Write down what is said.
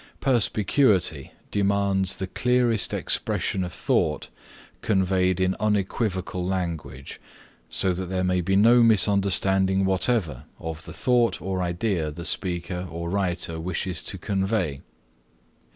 Perspicuity demands the clearest expression of thought conveyed in unequivocal language, so that there may be no misunderstanding whatever of the thought or idea the speaker or writer wishes to convey.